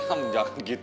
kamu jangan gitu